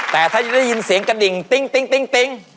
แต่ถ้าได้ยินเสียงกระดิ่งติ้ง